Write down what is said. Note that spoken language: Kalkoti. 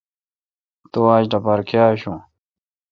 تو آج لوپار کاں آشو۔